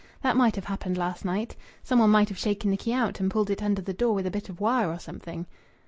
That might have happened last night. Some one might have shaken the key out, and pulled it under the door with a bit of wire or something."